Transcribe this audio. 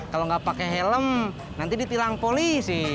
kalau nggak pakai helm nanti ditilang polisi